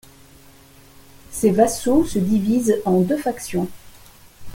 Ses vassaux se divisent en deux factions.